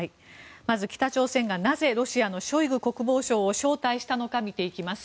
まず北朝鮮がなぜロシアのショイグ国防相を招待したのか見ていきます。